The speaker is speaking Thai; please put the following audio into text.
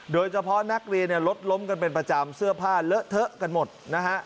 โดยเฉพาะนักเรียนเนี่ยรถล้มกันเป็นประจำเสื้อผ้าเลอะเทอะกันหมดนะฮะ